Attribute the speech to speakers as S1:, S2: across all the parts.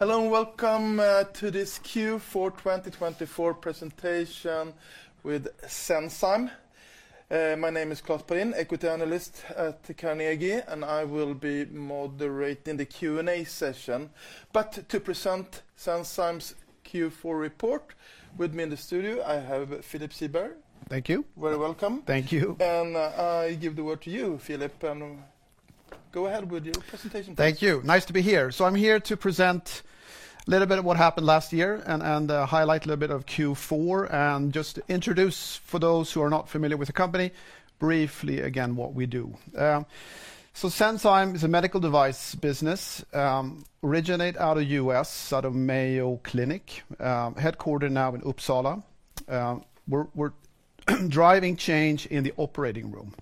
S1: Hello and welcome to this Q4 2024 Presentation with Senzime. My name is Klas Palin, equity analyst at Carnegie, and I will be moderating the Q&A session. To present Senzime's Q4 report, with me in the studio, I have Philip Siberg.
S2: Thank you.
S1: Very welcome.
S2: Thank you.
S1: I give the word to you, Philip. Go ahead with your presentation.
S2: Thank you. Nice to be here. I'm here to present a little bit of what happened last year and highlight a little bit of Q4 and just introduce, for those who are not familiar with the company, briefly again what we do. Senzime is a medical device business, originated out of the U.S., out of Mayo Clinic, headquartered now in Uppsala. We're driving change in the operating room.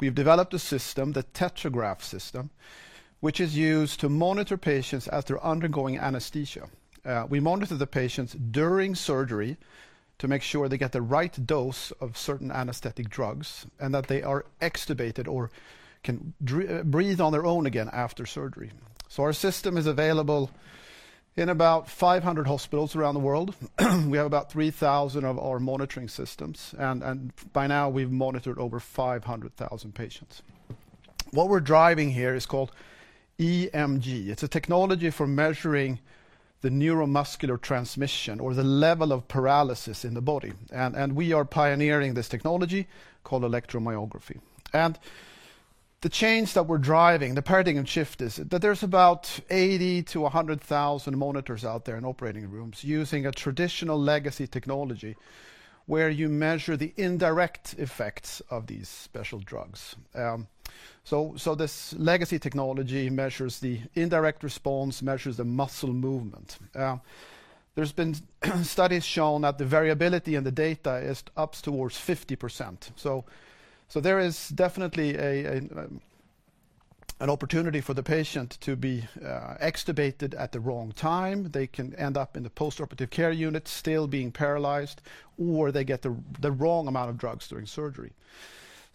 S2: We've developed a system, the TetraGraph system, which is used to monitor patients as they're undergoing anesthesia. We monitor the patients during surgery to make sure they get the right dose of certain anesthetic drugs and that they are extubated or can breathe on their own again after surgery. Our system is available in about 500 hospitals around the world. We have about 3,000 of our monitoring systems, and by now we've monitored over 500,000 patients. What we're driving here is called EMG. It's a technology for measuring the neuromuscular transmission or the level of paralysis in the body. We are pioneering this technology called electromyography. The change that we're driving, the paradigm shift, is that there's about 80,000-100,000 monitors out there in operating rooms using a traditional legacy technology where you measure the indirect effects of these special drugs. This legacy technology measures the indirect response, measures the muscle movement. There have been studies showing that the variability in the data is up towards 50%. There is definitely an opportunity for the patient to be extubated at the wrong time. They can end up in the postoperative care unit still being paralyzed, or they get the wrong amount of drugs during surgery.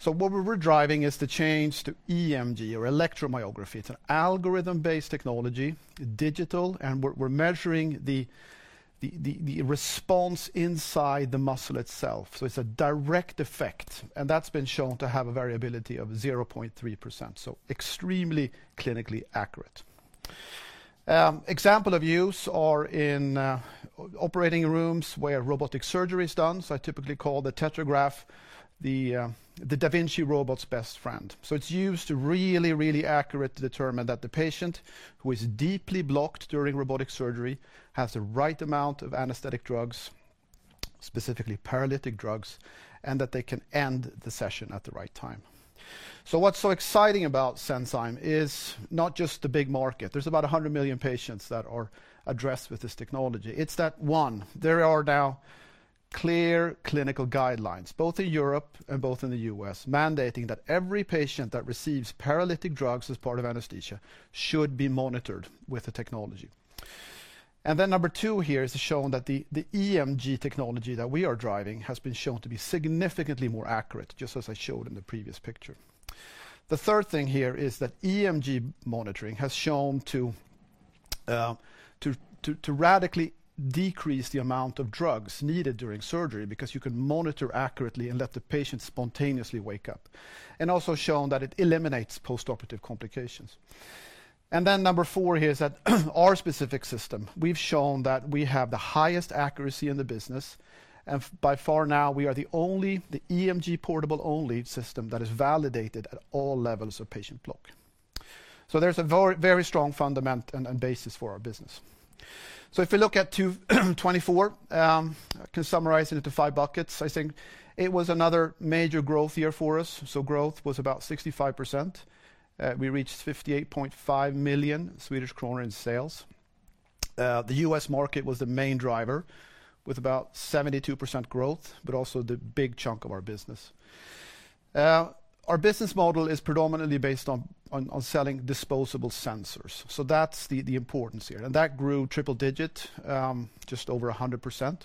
S2: What we're driving is the change to EMG or electromyography. It's an algorithm-based technology, digital, and we're measuring the response inside the muscle itself. It's a direct effect, and that's been shown to have a variability of 0.3%. Extremely clinically accurate. Examples of use are in operating rooms where robotic surgery is done. I typically call the TetraGraph the da Vinci robot's best friend. It's used to really, really accurately determine that the patient who is deeply blocked during robotic surgery has the right amount of anesthetic drugs, specifically paralytic drugs, and that they can end the session at the right time. What's so exciting about Senzime is not just the big market. There's about 100 million patients that are addressed with this technology. It's that, one, there are now clear clinical guidelines, both in Europe and both in the US, mandating that every patient that receives paralytic drugs as part of anesthesia should be monitored with the technology. Number two here is to show that the EMG technology that we are driving has been shown to be significantly more accurate, just as I showed in the previous picture. The third thing here is that EMG monitoring has shown to radically decrease the amount of drugs needed during surgery because you can monitor accurately and let the patient spontaneously wake up, and also shown that it eliminates postoperative complications. Number four here is that our specific system, we've shown that we have the highest accuracy in the business, and by far now we are the only EMG portable-only system that is validated at all levels of patient block. There is a very strong fundamental and basis for our business. If we look at 2024, I can summarize it into five buckets. I think it was another major growth year for us. Growth was about 65%. We reached 58.5 million Swedish kronor in sales. The U.S. market was the main driver with about 72% growth, but also the big chunk of our business. Our business model is predominantly based on selling disposable sensors. That is the importance here. That grew triple-digit, just over 100%.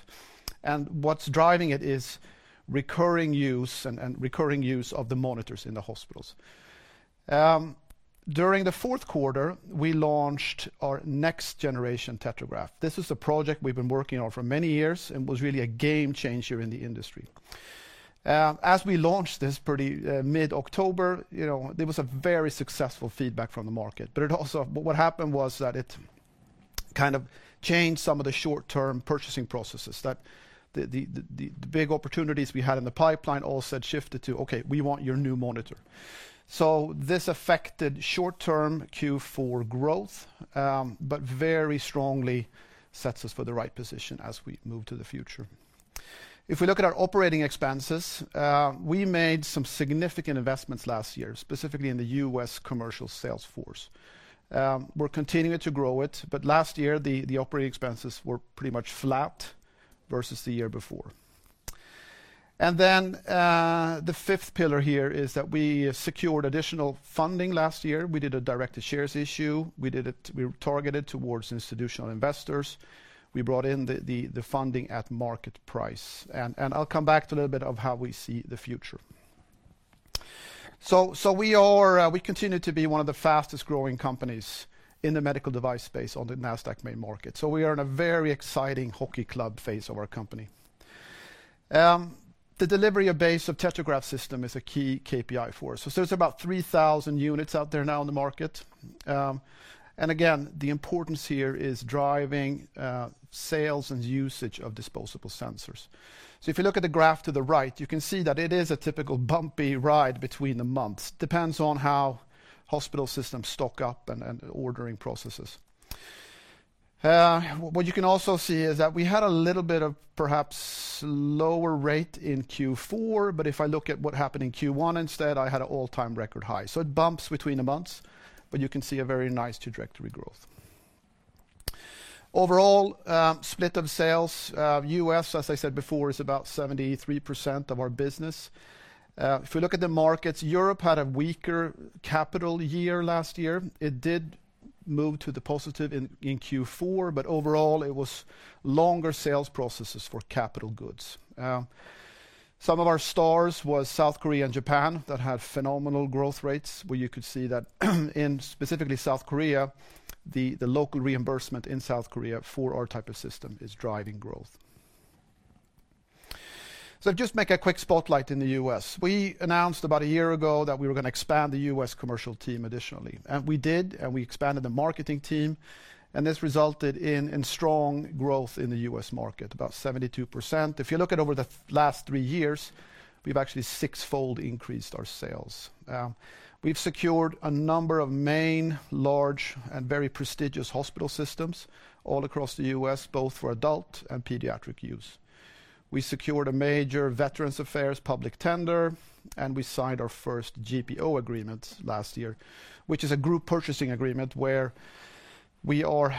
S2: What is driving it is recurring use and recurring use of the monitors in the hospitals. During the fourth quarter, we launched our next generation TetraGraph. This is a project we have been working on for many years and was really a game changer in the industry. As we launched this pretty mid-October, there was a very successful feedback from the market. What happened was that it kind of changed some of the short-term purchasing processes. The big opportunities we had in the pipeline all said shifted to, "Okay, we want your new monitor." This affected short-term Q4 growth, but very strongly sets us for the right position as we move to the future. If we look at our operating expenses, we made some significant investments last year, specifically in the U.S. commercial sales force. We're continuing to grow it, but last year the operating expenses were pretty much flat versus the year before. The fifth pillar here is that we secured additional funding last year. We did a directed share issue. We targeted towards institutional investors. We brought in the funding at market price. I'll come back to a little bit of how we see the future. We continue to be one of the fastest growing companies in the medical device space on the NASDAQ main market. We are in a very exciting hockey club phase of our company. The delivery base of TetraGraph system is a key KPI for us. There are about 3,000 units out there now in the market. Again, the importance here is driving sales and usage of disposable sensors. If you look at the graph to the right, you can see that it is a typical bumpy ride between the months. It depends on how hospital systems stock up and ordering processes. What you can also see is that we had a little bit of perhaps lower rate in Q4, but if I look at what happened in Q1 instead, I had an all-time record high. It bumps between the months, but you can see a very nice trajectory growth. Overall, split of sales, U.S., as I said before, is about 73% of our business. If we look at the markets, Europe had a weaker capital year last year. It did move to the positive in Q4, but overall it was longer sales processes for capital goods. Some of our stars were South Korea and Japan that had phenomenal growth rates, where you could see that in specifically South Korea, the local reimbursement in South Korea for our type of system is driving growth. Just make a quick spotlight in the U.S. We announced about a year ago that we were going to expand the U.S. commercial team additionally. We did, and we expanded the marketing team. This resulted in strong growth in the U.S. market, about 72%. If you look at over the last three years, we've actually six-fold increased our sales. We've secured a number of main, large, and very prestigious hospital systems all across the U.S., both for adult and pediatric use. We secured a major Veterans Affairs public tender, and we signed our first GPO agreement last year, which is a group purchasing agreement where we are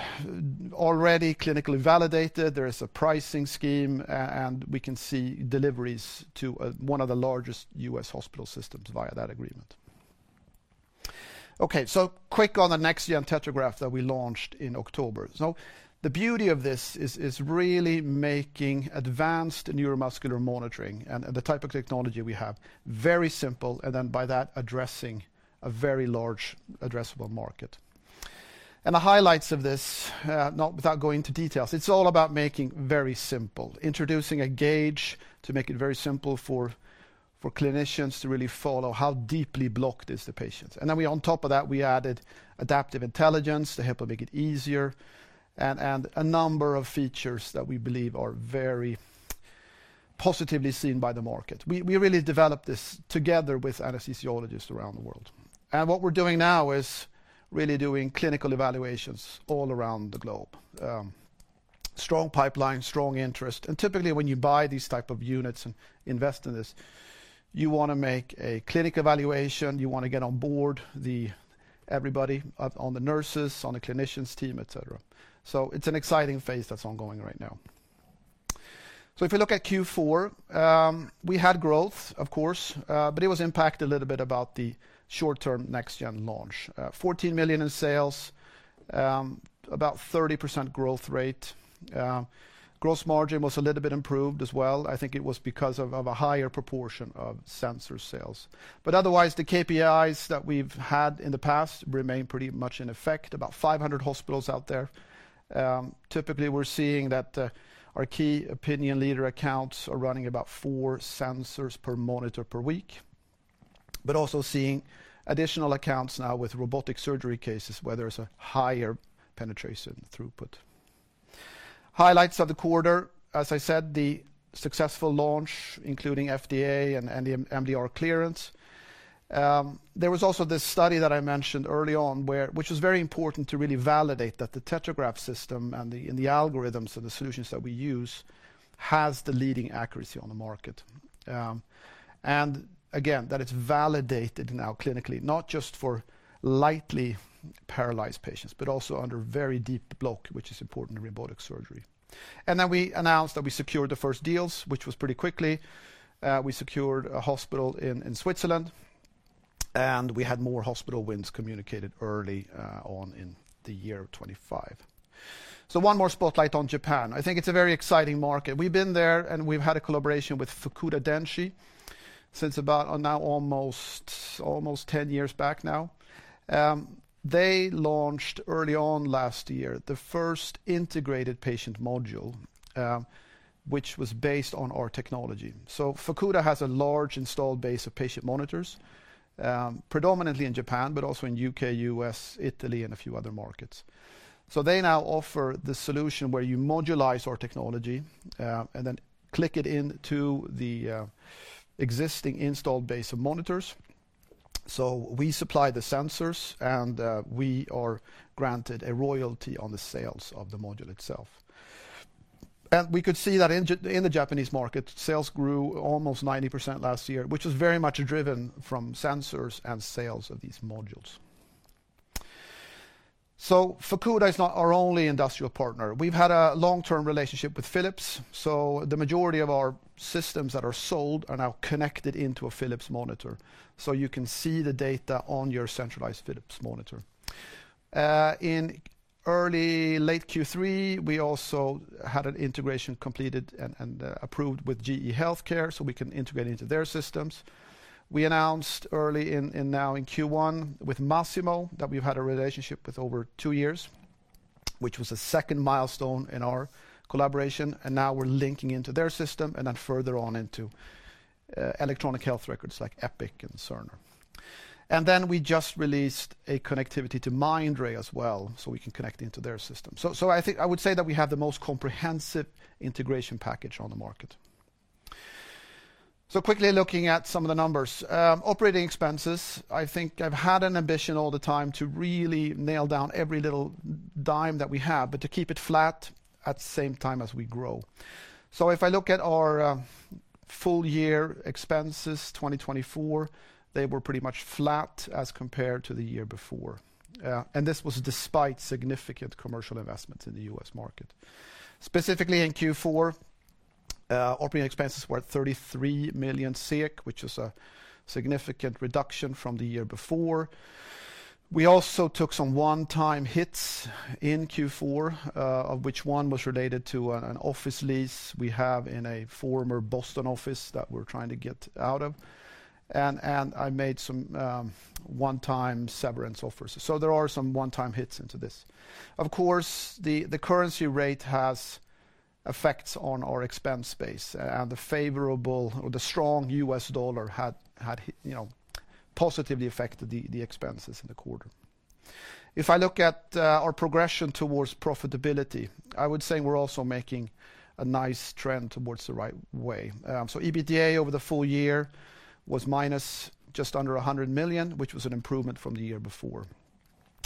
S2: already clinically validated. There is a pricing scheme, and we can see deliveries to one of the largest U.S. hospital systems via that agreement. Quick on the next-gen TetraGraph that we launched in October. The beauty of this is really making advanced neuromuscular monitoring and the type of technology we have very simple, and then by that addressing a very large addressable market. The highlights of this, not without going into details, it's all about making very simple, introducing a gauge to make it very simple for clinicians to really follow how deeply blocked is the patient. On top of that, we added adaptive intelligence to help make it easier and a number of features that we believe are very positively seen by the market. We really developed this together with anesthesiologists around the world. What we are doing now is really doing clinical evaluations all around the globe. Strong pipeline, strong interest. Typically when you buy these types of units and invest in this, you want to make a clinical evaluation. You want to get on board everybody on the nurses, on the clinicians' team, etc. It is an exciting phase that's ongoing right now. If we look at Q4, we had growth, of course, but it was impacted a little bit by the short-term next-gen launch. 14 million in sales, about 30% growth rate. Gross margin was a little bit improved as well. I think it was because of a higher proportion of sensor sales. Otherwise, the KPIs that we've had in the past remain pretty much in effect, about 500 hospitals out there. Typically, we're seeing that our key opinion leader accounts are running about four sensors per monitor per week, but also seeing additional accounts now with robotic surgery cases where there's a higher penetration throughput. Highlights of the quarter, as I said, the successful launch, including FDA and MDR clearance. There was also this study that I mentioned early on, which was very important to really validate that the TetraGraph system and the algorithms and the solutions that we use has the leading accuracy on the market. Again, that it's validated now clinically, not just for lightly paralyzed patients, but also under very deep block, which is important in robotic surgery. We announced that we secured the first deals, which was pretty quickly. We secured a hospital in Switzerland, and we had more hospital wins communicated early on in the year of 2025. One more spotlight on Japan. I think it's a very exciting market. We've been there and we've had a collaboration with Fukuda Denshi since about now almost 10 years back now. They launched early on last year the first integrated patient module, which was based on our technology. Fukuda has a large installed base of patient monitors, predominantly in Japan, but also in the U.K., U.S., Italy, and a few other markets. They now offer the solution where you modulize our technology and then click it into the existing installed base of monitors. We supply the sensors and we are granted a royalty on the sales of the module itself. We could see that in the Japanese market, sales grew almost 90% last year, which was very much driven from sensors and sales of these modules. Fukuda is not our only industrial partner. We've had a long-term relationship with Philips. The majority of our systems that are sold are now connected into a Philips monitor. You can see the data on your centralized Philips monitor. In early, late Q3, we also had an integration completed and approved with GE Healthcare, so we can integrate into their systems. We announced early in now in Q1 with Masimo that we've had a relationship with over two years, which was a second milestone in our collaboration. Now we're linking into their system and then further on into electronic health records like Epic and Cerner. We just released a connectivity to Mindray as well, so we can connect into their system. I would say that we have the most comprehensive integration package on the market. Quickly looking at some of the numbers, operating expenses, I think I've had an ambition all the time to really nail down every little dime that we have, but to keep it flat at the same time as we grow. If I look at our full year expenses 2024, they were pretty much flat as compared to the year before. This was despite significant commercial investments in the U.S. market. Specifically in Q4, operating expenses were at 33 million, which is a significant reduction from the year before. We also took some one-time hits in Q4, of which one was related to an office lease we have in a former Boston office that we're trying to get out of. I made some one-time severance offers. There are some one-time hits into this. Of course, the currency rate has effects on our expense base, and the favorable or the strong US dollar had positively affected the expenses in the quarter. If I look at our progression towards profitability, I would say we're also making a nice trend towards the right way. EBITDA over the full year was minus just under 100 million, which was an improvement from the year before.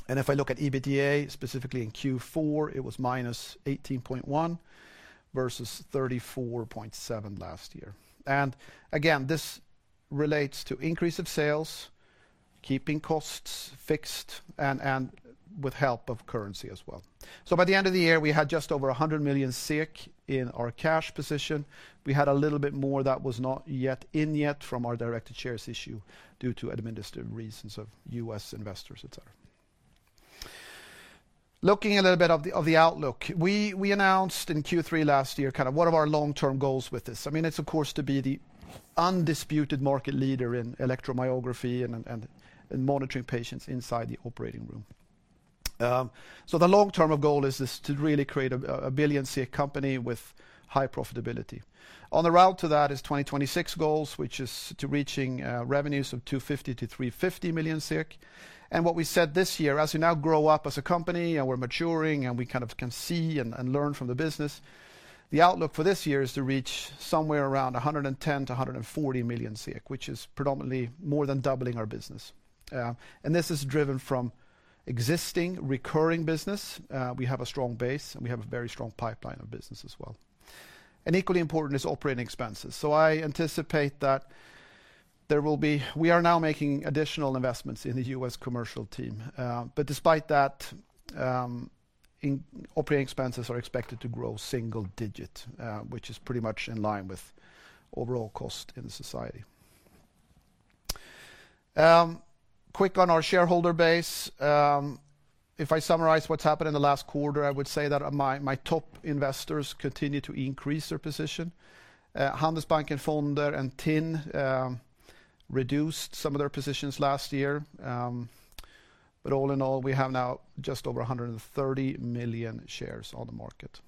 S2: If I look at EBITDA, specifically in Q4, it was minus 18.1 million versus 34.7 million last year. Again, this relates to increase of sales, keeping costs fixed, and with help of currency as well. By the end of the year, we had just over 100 million in our cash position. We had a little bit more that was not yet in from our directed share issue due to administrative reasons of U.S. investors, etc. Looking a little bit at the outlook, we announced in Q3 last year kind of one of our long-term goals with this. I mean, it's of course to be the undisputed market leader in electromyography and monitoring patients inside the operating room. The long-term goal is to really create a billion SEK company with high profitability. On the route to that is 2026 goals, which is to reaching revenues of 250-350 million SEK. What we said this year, as we now grow up as a company and we're maturing and we kind of can see and learn from the business, the outlook for this year is to reach somewhere around 110-140 million SEK, which is predominantly more than doubling our business. This is driven from existing recurring business. We have a strong base and we have a very strong pipeline of business as well. Equally important is operating expenses. I anticipate that there will be we are now making additional investments in the U.S. commercial team. Despite that, operating expenses are expected to grow single digit, which is pretty much in line with overall cost in society. Quick on our shareholder base. If I summarize what's happened in the last quarter, I would say that my top investors continue to increase their position. Handelsbanken Fonder and TIN reduced some of their positions last year. All in all, we have now just over 130 million shares on the market.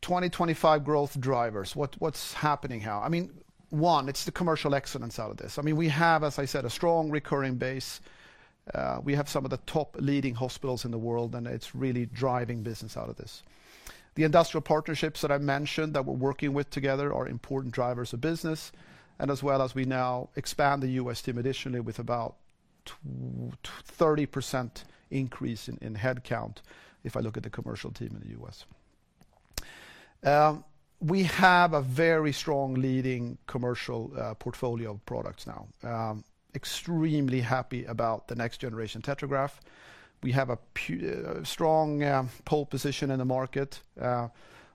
S2: 2025 growth drivers, what's happening now? I mean, one, it's the commercial excellence out of this. I mean, we have, as I said, a strong recurring base. We have some of the top leading hospitals in the world, and it's really driving business out of this. The industrial partnerships that I mentioned that we're working with together are important drivers of business, as well as we now expand the U.S. team additionally with about 30% increase in headcount if I look at the commercial team in the U.S. We have a very strong leading commercial portfolio of products now. Extremely happy about the next generation TetraGraph. We have a strong pole position in the market.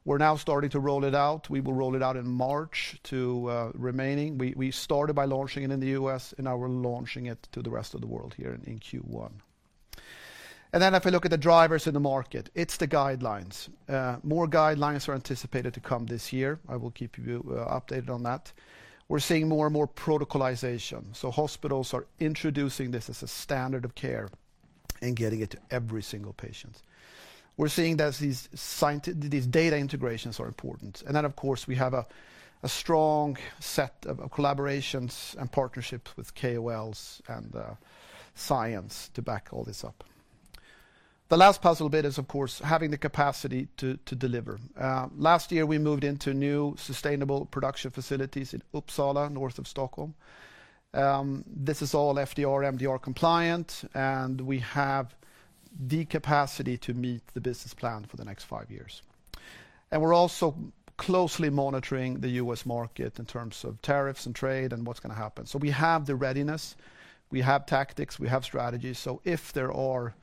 S2: We're now starting to roll it out. We will roll it out in March to remaining. We started by launching it in the U.S., and now we're launching it to the rest of the world here in Q1. If I look at the drivers in the market, it's the guidelines. More guidelines are anticipated to come this year. I will keep you updated on that. We're seeing more and more protocolization. Hospitals are introducing this as a standard of care and getting it to every single patient. We're seeing that these data integrations are important. Of course, we have a strong set of collaborations and partnerships with KOLs and science to back all this up. The last puzzle bit is, of course, having the capacity to deliver. Last year, we moved into new sustainable production facilities in Uppsala, north of Stockholm. This is all FDR, MDR compliant, and we have the capacity to meet the business plan for the next five years. We're also closely monitoring the U.S. market in terms of tariffs and trade and what's going to happen. We have the readiness. We have tactics. We have strategies. If there are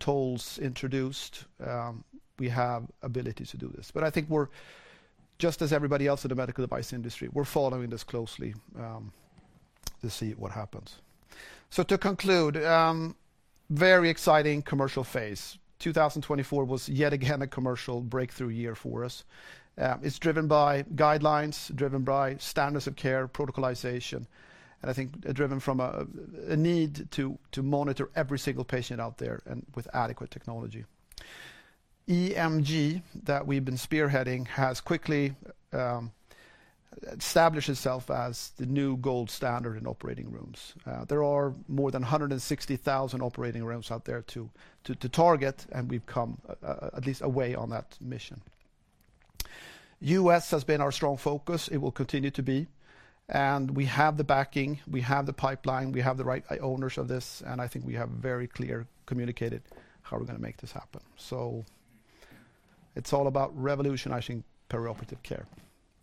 S2: tolls introduced, we have ability to do this. I think we're, just as everybody else in the medical device industry, we're following this closely to see what happens. To conclude, very exciting commercial phase. 2024 was yet again a commercial breakthrough year for us. It's driven by guidelines, driven by standards of care, protocolization, and I think driven from a need to monitor every single patient out there and with adequate technology. EMG that we've been spearheading has quickly established itself as the new gold standard in operating rooms. There are more than 160,000 operating rooms out there to target, and we've come at least a way on that mission. U.S. has been our strong focus. It will continue to be. We have the backing. We have the pipeline. We have the right owners of this. I think we have very clear communicated how we're going to make this happen. It's all about revolutionizing perioperative care.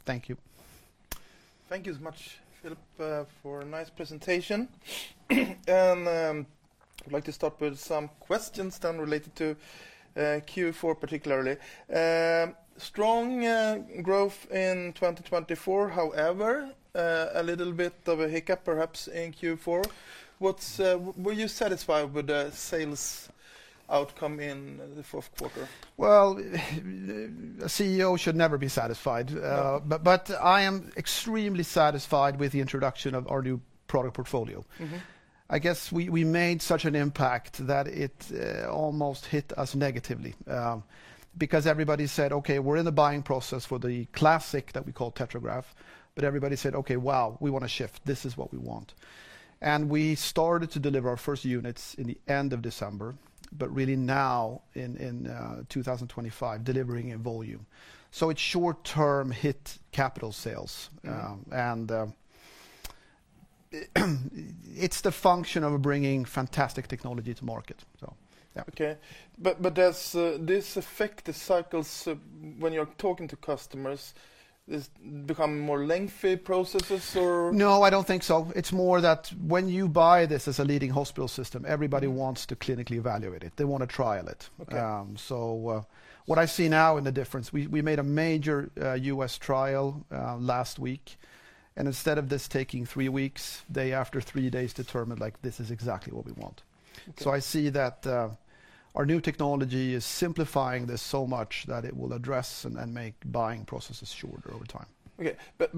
S2: Thank you.
S1: Thank you so much, Philip, for a nice presentation. I'd like to start with some questions then related to Q4 particularly. Strong growth in 2024, however, a little bit of a hiccup perhaps in Q4. Were you satisfied with the sales outcome in the fourth quarter?
S2: A CEO should never be satisfied. I am extremely satisfied with the introduction of our new product portfolio. I guess we made such an impact that it almost hit us negatively because everybody said, "Okay, we're in the buying process for the classic that we call TetraGraph," but everybody said, "Okay, wow, we want to shift. This is what we want." We started to deliver our first units in the end of December, but really now in 2025, delivering a volume. It short-term hit capital sales. It is the function of bringing fantastic technology to market.
S1: Okay. This affects cycles. When you're talking to customers, does this become more lengthy processes or?
S2: No, I do not think so. It is more that when you buy this as a leading hospital system, everybody wants to clinically evaluate it. They want to trial it. What I see now in the difference, we made a major U.S. trial last week. Instead of this taking three weeks, day after three days determined like this is exactly what we want. I see that our new technology is simplifying this so much that it will address and make buying processes shorter over time.
S1: Okay.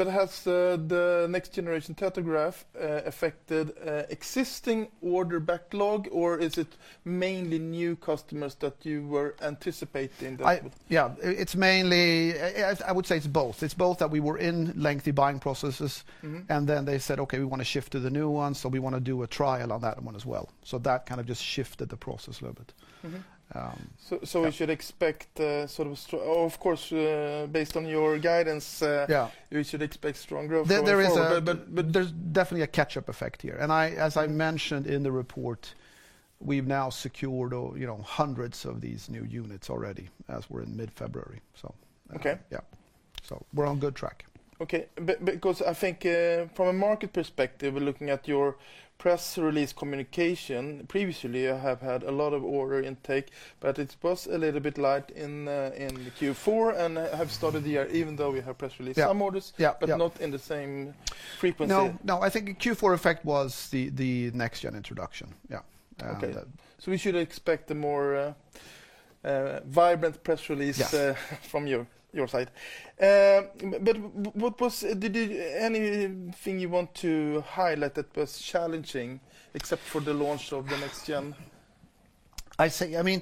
S1: Has the next generation TetraGraph affected existing order backlog, or is it mainly new customers that you were anticipating that?
S2: Yeah, it is mainly, I would say it is both. It's both that we were in lengthy buying processes, and then they said, "Okay, we want to shift to the new one," so we want to do a trial on that one as well. That kind of just shifted the process a little bit.
S1: We should expect, of course, based on your guidance, we should expect strong growth.
S2: There is a, but there's definitely a catch-up effect here. As I mentioned in the report, we've now secured hundreds of these new units already as we're in mid-February. Yeah, we're on good track.
S1: Okay. I think from a market perspective, looking at your press release communication, previously you have had a lot of order intake, but it was a little bit light in Q4 and have started the year, even though you have press released some orders, but not in the same frequency.
S2: No, I think Q4 effect was the next gen introduction. Yeah.
S1: You should expect a more vibrant press release from your side. Did anything you want to highlight that was challenging except for the launch of the next gen?
S2: I mean,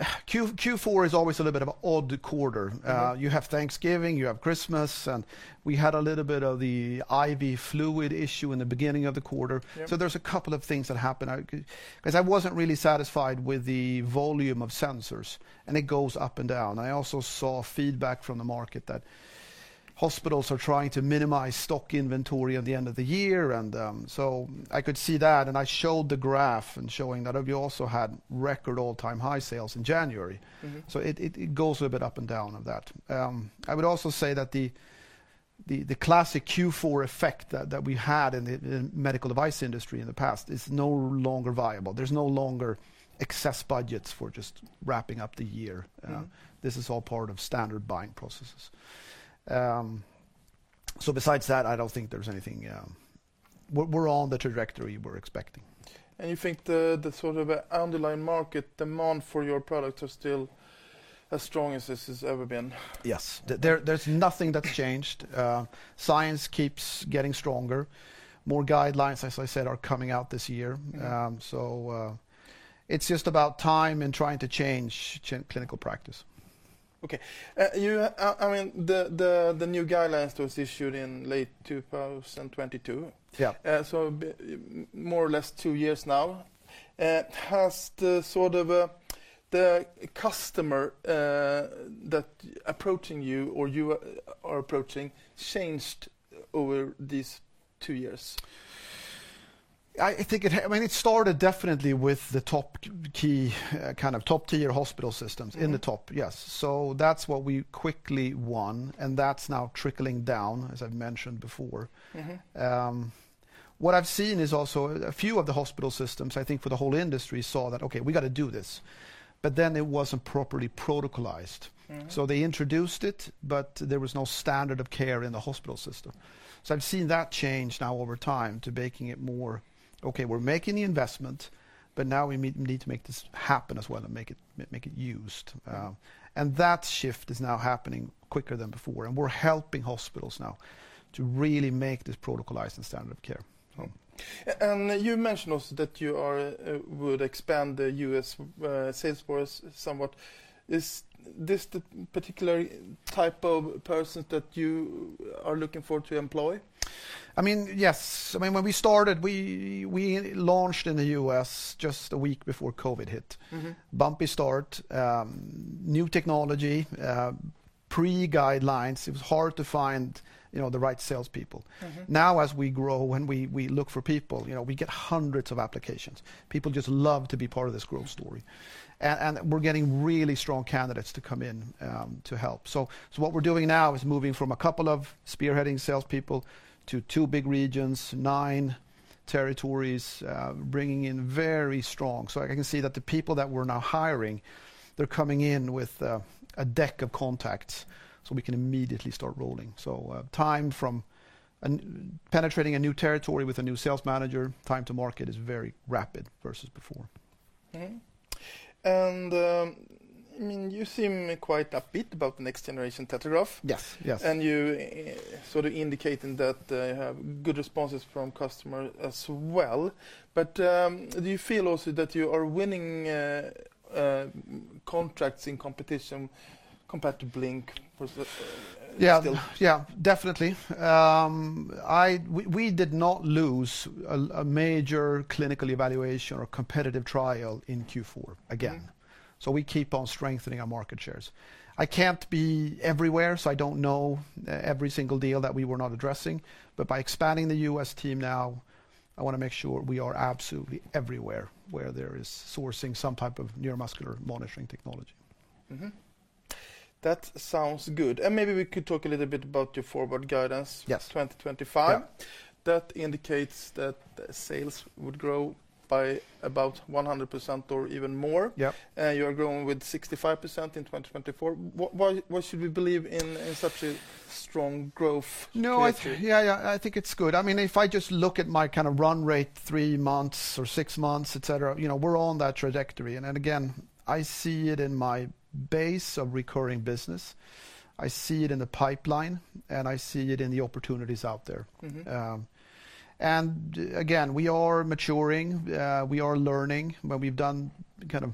S2: Q4 is always a little bit of an odd quarter. You have Thanksgiving, you have Christmas, and we had a little bit of the IV fluid issue in the beginning of the quarter. There are a couple of things that happened. I wasn't really satisfied with the volume of sensors, and it goes up and down. I also saw feedback from the market that hospitals are trying to minimize stock inventory at the end of the year. I could see that, and I showed the graph and showing that we also had record all-time high sales in January. It goes a bit up and down of that. I would also say that the classic Q4 effect that we had in the medical device industry in the past is no longer viable. There is no longer excess budgets for just wrapping up the year. This is all part of standard buying processes. Besides that, I do not think there is anything. We are on the trajectory we are expecting.
S1: You think the sort of underlying market demand for your products are still as strong as it has ever been?
S2: Yes. There is nothing that has changed. Science keeps getting stronger. More guidelines, as I said, are coming out this year. It is just about time and trying to change clinical practice.
S1: I mean, the new guidelines was issued in late 2022. So more or less two years now. Has the sort of the customer that approaching you or you are approaching changed over these two years?
S2: I think it started definitely with the top key kind of top tier hospital systems in the top, yes. That's what we quickly won, and that's now trickling down, as I've mentioned before. What I've seen is also a few of the hospital systems, I think for the whole industry, saw that, okay, we got to do this. It wasn't properly protocolized. They introduced it, but there was no standard of care in the hospital system. I've seen that change now over time to making it more, okay, we're making the investment, but now we need to make this happen as well and make it used. That shift is now happening quicker than before. We're helping hospitals now to really make this protocolized and standard of care.
S1: You mentioned also that you would expand the U.S. salesforce somewhat. Is this the particular type of person that you are looking for to employ?
S2: I mean, yes. I mean, when we started, we launched in the U.S. just a week before COVID hit. Bumpy start, new technology, pre-guidelines. It was hard to find the right salespeople. Now, as we grow and we look for people, we get hundreds of applications. People just love to be part of this growth story. We're getting really strong candidates to come in to help. What we're doing now is moving from a couple of spearheading salespeople to two big regions, nine territories, bringing in very strong. I can see that the people that we're now hiring, they're coming in with a deck of contacts so we can immediately start rolling. Time from penetrating a new territory with a new sales manager, time to market is very rapid versus before.
S1: I mean, you seem quite upbeat about the next generation TetraGraph.
S2: Yes.
S1: You sort of indicating that you have good responses from customers as well. Do you feel also that you are winning contracts in competition compared to Blink?
S2: Yeah, definitely. We did not lose a major clinical evaluation or competitive trial in Q4 again. We keep on strengthening our market shares. I can't be everywhere, so I don't know every single deal that we were not addressing. By expanding the U.S. team now, I want to make sure we are absolutely everywhere where there is sourcing some type of neuromuscular monitoring technology.
S1: That sounds good. Maybe we could talk a little bit about your forward guidance 2025. That indicates that sales would grow by about 100% or even more. You are growing with 65% in 2024. Why should we believe in such a strong growth?
S2: No, I think it's good. I mean, if I just look at my kind of run rate three months or six months, etc., we're on that trajectory. I see it in my base of recurring business. I see it in the pipeline, and I see it in the opportunities out there. We are maturing. We are learning. When we've done kind of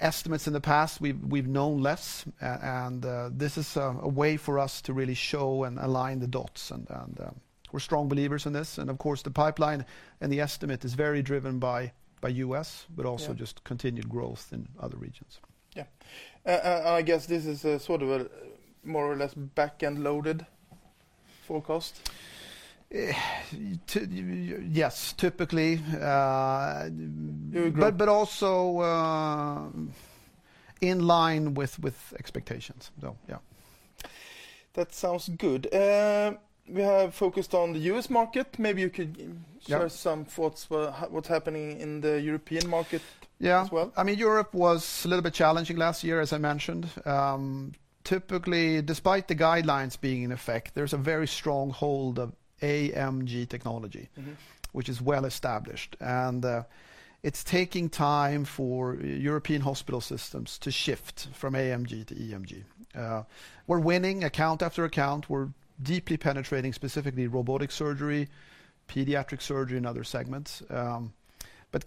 S2: estimates in the past, we've known less. This is a way for us to really show and align the dots. We're strong believers in this. Of course, the pipeline and the estimate is very driven by U.S., but also just continued growth in other regions.
S1: I guess this is sort of a more or less back-end loaded forecast.
S2: Yes, typically. Also in line with expectations.
S1: That sounds good. We have focused on the U.S. market. Maybe you could share some thoughts about what's happening in the European market as well.
S2: I mean, Europe was a little bit challenging last year, as I mentioned. Typically, despite the guidelines being in effect, there's a very strong hold of AMG technology, which is well established. It's taking time for European hospital systems to shift from AMG to EMG. We're winning account after account. We're deeply penetrating specifically robotic surgery, pediatric surgery, and other segments.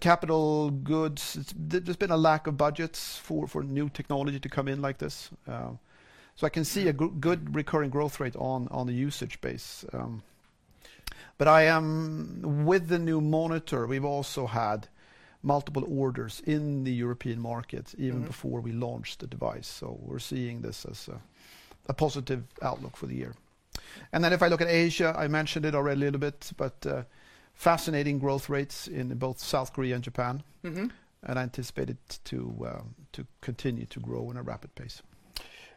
S2: Capital goods, there's been a lack of budgets for new technology to come in like this. I can see a good recurring growth rate on the usage base. With the new monitor, we've also had multiple orders in the European markets even before we launched the device. We're seeing this as a positive outlook for the year. If I look at Asia, I mentioned it already a little bit, but fascinating growth rates in both South Korea and Japan. I anticipate it to continue to grow at a rapid pace.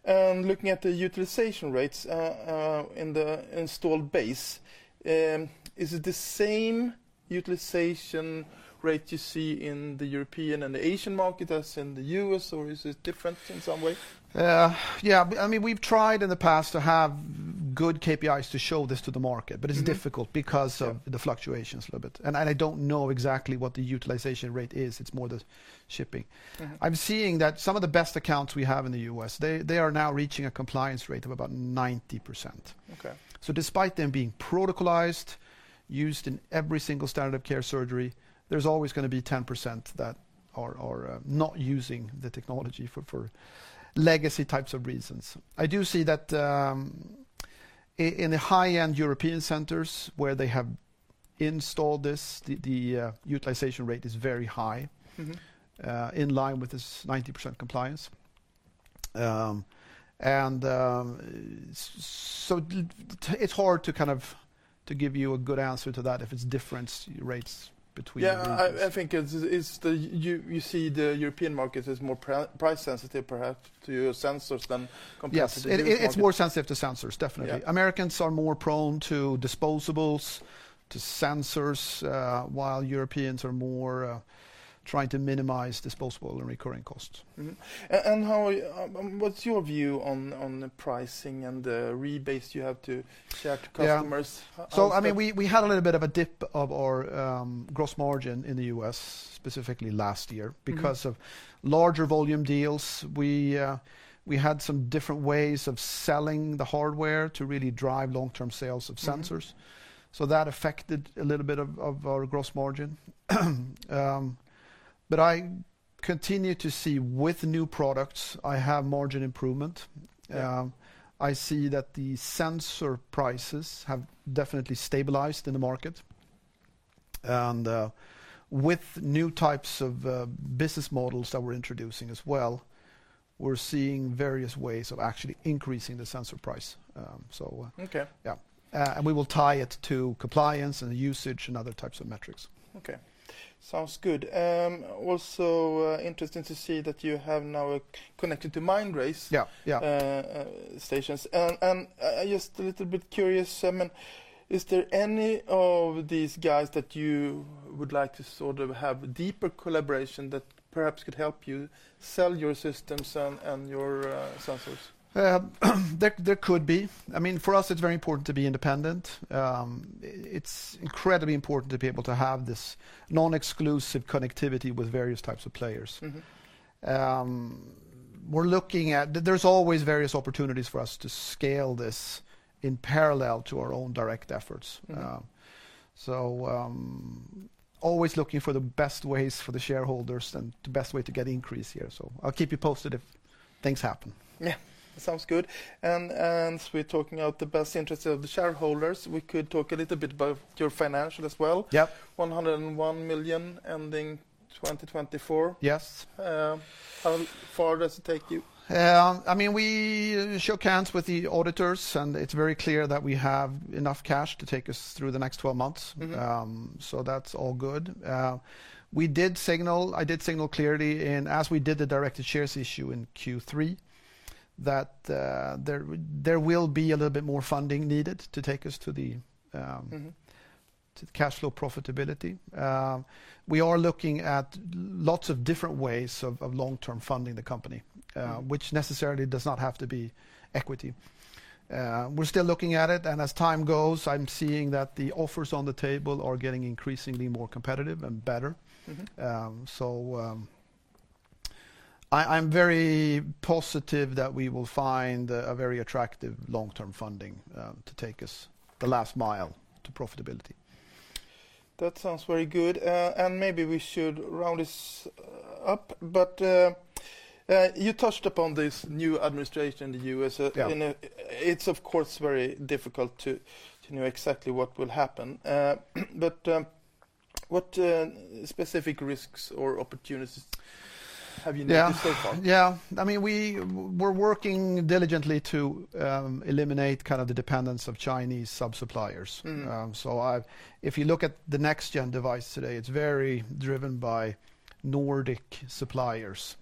S1: Looking at the utilization rates in the installed base, is it the same utilization rate you see in the European and the Asian market as in the U.S., or is it different in some way?
S2: Yeah. I mean, we've tried in the past to have good KPIs to show this to the market, but it's difficult because of the fluctuations a little bit. I don't know exactly what the utilization rate is. It's more the shipping. I'm seeing that some of the best accounts we have in the U.S., they are now reaching a compliance rate of about 90%. Despite them being protocolized, used in every single standard of care surgery, there's always going to be 10% that are not using the technology for legacy types of reasons. I do see that in the high-end European centers where they have installed this, the utilization rate is very high in line with this 90% compliance. It's hard to kind of give you a good answer to that if it's different rates between them. Yeah.
S1: I think you see the European markets as more price sensitive perhaps to your sensors than compared to the U.S.
S2: It's more sensitive to sensors, definitely. Americans are more prone to disposables, to sensors, while Europeans are more trying to minimize disposable and recurring costs.
S1: What's your view on pricing and the rebates you have to share to customers?
S2: I mean, we had a little bit of a dip of our gross margin in the U.S. specifically last year because of larger volume deals. We had some different ways of selling the hardware to really drive long-term sales of sensors. That affected a little bit of our gross margin. I continue to see with new products, I have margin improvement. I see that the sensor prices have definitely stabilized in the market. With new types of business models that we're introducing as well, we're seeing various ways of actually increasing the sensor price. Yeah. We will tie it to compliance and usage and other types of metrics.
S1: Okay. Sounds good. Also interesting to see that you have now a connection to Mindray stations. I'm just a little bit curious, is there any of these guys that you would like to sort of have deeper collaboration that perhaps could help you sell your systems and your sensors?
S2: There could be. I mean, for us, it's very important to be independent. It's incredibly important to be able to have this non-exclusive connectivity with various types of players. We're looking at there's always various opportunities for us to scale this in parallel to our own direct efforts. Always looking for the best ways for the shareholders and the best way to get increase here. I'll keep you posted if things happen.
S1: Yeah. Sounds good. As we're talking about the best interests of the shareholders, we could talk a little bit about your financial as well. 101 million ending 2024.
S2: Yes.
S1: How far does it take you?
S2: I mean, we shook hands with the auditors, and it's very clear that we have enough cash to take us through the next 12 months. That's all good. I did signal clearly as we did the directed shares issue in Q3 that there will be a little bit more funding needed to take us to cash flow profitability. We are looking at lots of different ways of long-term funding the company, which necessarily does not have to be equity. We're still looking at it. As time goes, I'm seeing that the offers on the table are getting increasingly more competitive and better. I am very positive that we will find a very attractive long-term funding to take us the last mile to profitability.
S1: That sounds very good. Maybe we should round this up. You touched upon this new administration in the U.S. It's, of course, very difficult to know exactly what will happen. What specific risks or opportunities have you noticed so far?
S2: Yeah. I mean, we're working diligently to eliminate kind of the dependence of Chinese sub-suppliers. If you look at the next-gen device today, it's very driven by Nordic suppliers.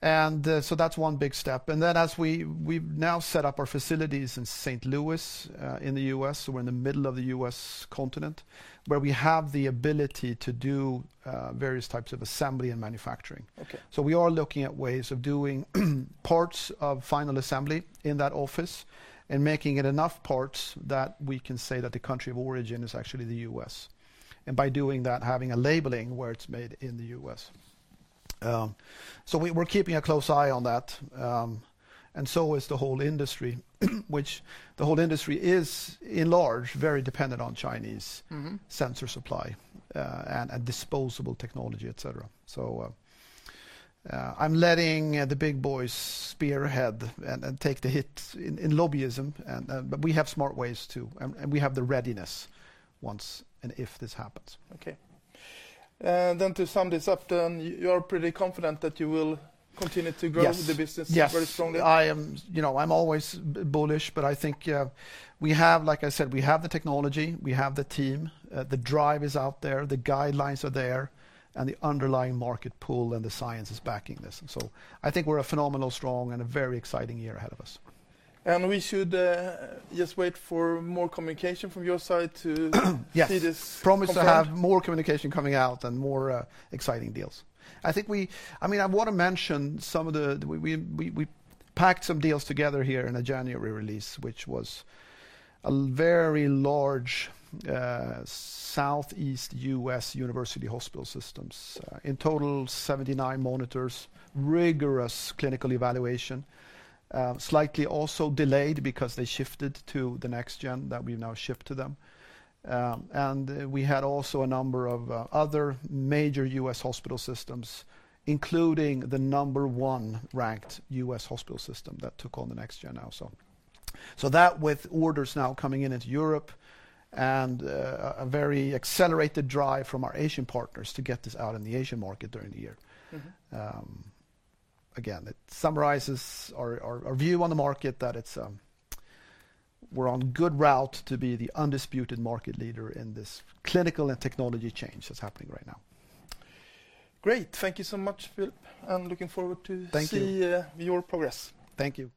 S2: That is one big step. As we now set up our facilities in St. Louis in the U.S., so we're in the middle of the U.S. continent, where we have the ability to do various types of assembly and manufacturing. We are looking at ways of doing parts of final assembly in that office and making it enough parts that we can say that the country of origin is actually the U.S. By doing that, having a labeling where it's made in the U.S. We're keeping a close eye on that. The whole industry is in large very dependent on Chinese sensor supply and disposable technology, etc. I'm letting the big boys spearhead and take the hit in lobbyism. We have smart ways too. We have the readiness once and if this happens.
S1: Okay. To sum this up, you are pretty confident that you will continue to grow the business very strongly.
S2: Yes. I'm always bullish, but I think we have, like I said, we have the technology, we have the team, the drive is out there, the guidelines are there, and the underlying market pull and the science is backing this. I think we are a phenomenal strong and a very exciting year ahead of us.
S1: We should just wait for more communication from your side to see this.
S2: Yes. Promise to have more communication coming out and more exciting deals. I want to mention we packed some deals together here in a January release, which was a very large Southeast U.S. university hospital systems. In total, 79 monitors, rigorous clinical evaluation, slightly also delayed because they shifted to the next gen that we've now shipped to them. We had also a number of other major U.S. hospital systems, including the number one ranked U.S. hospital system that took on the next gen also. That with orders now coming in into Europe and a very accelerated drive from our Asian partners to get this out in the Asian market during the year. Again, it summarizes our view on the market that we're on a good route to be the undisputed market leader in this clinical and technology change that's happening right now.
S1: Great. Thank you so much, Philip. Looking forward to seeing your progress. Thank you.